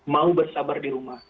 mau bersabar di rumah